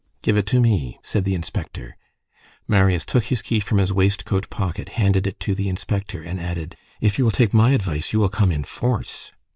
"Give it to me," said the inspector. Marius took his key from his waistcoat pocket, handed it to the inspector and added:— "If you will take my advice, you will come in force."